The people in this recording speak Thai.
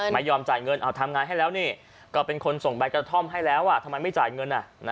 ไม่ยอมจ่ายเงินทำงานให้แล้วนี่ก็เป็นคนส่งใบกระท่อมให้แล้วทำไมไม่จ่ายเงิน